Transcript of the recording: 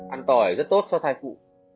ăn tỏi rất tốt cho thai phụ